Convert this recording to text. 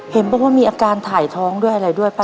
เห็นบอกว่ามีอาการถ่ายท้องด้วยอะไรด้วยป่